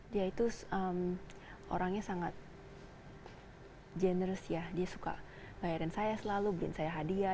dia itu orangnya sangat generas ya dia suka bayarin saya selalu brin saya hadiah